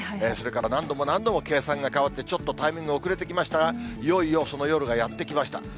それから何度も何度も計算が変わって、ちょっとタイミング遅れてきましたが、いよいよその夜がやって来ました。